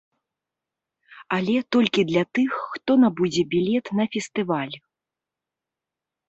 Але толькі для тых, хто набудзе білет на фестываль.